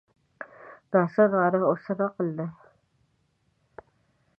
دا څه ناره او څه نقل دی.